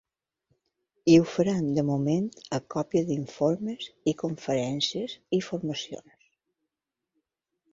I ho faran, de moment, a còpia d’informes, conferències i formacions.